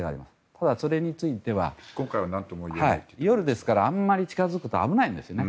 ただ、それについては夜ですから、あまり近づくと危ないんですね。